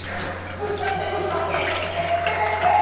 ぶっ刺してぶっ刺してテッテレテ！